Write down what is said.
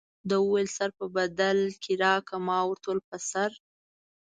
ده وویل سر په بدل کې راکړه ما ورته په سر.